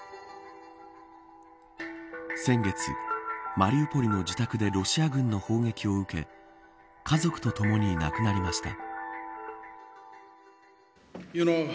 先月、マリウポリの自宅でロシア軍の砲撃を受け家族とともに亡くなりました。